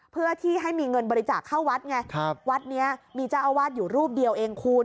เพื่อที่ให้มีเงินบริจาคเข้าวัดไงครับวัดนี้มีเจ้าอาวาสอยู่รูปเดียวเองคุณ